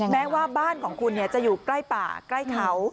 แม้ว่าบ้านของคุณจะอยู่ใกล้ป่าใกล้เขา